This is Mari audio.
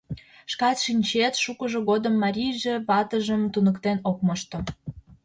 Шкат шинчет, шукыжо годым марийже ватыжым туныктен ок мошто.